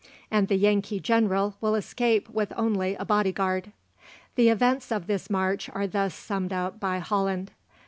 and the Yankee General will escape with only a body guard." The events of this march are thus summed up by Holland.